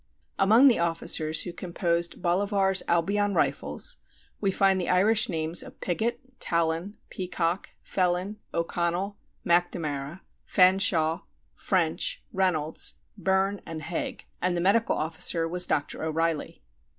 Among the officers who composed Bolivar's Albion Rifles we find the Irish names of Pigott, Tallon, Peacock, Phelan, O'Connell, McNamara, Fetherstonhaugh, French, Reynolds, Byrne, and Haig, and the medical officer was Dr. O'Reilly.